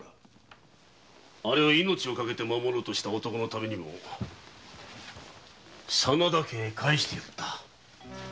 あれを命をかけて守ろうとした男のためにも真田家に返した。